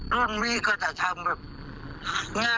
รุ่นพี่ก็จะทำงานเบาอะไรอย่างนี้